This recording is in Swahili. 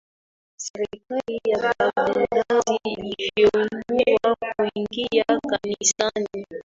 serikali ya baghdad ilivyoamua kuingia kanisani